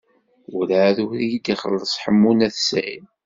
Werɛad ur iyi-d-ixelleṣ Ḥemmu n At Sɛid.